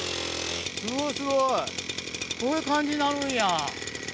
すごいすごいこういう感じになるんや。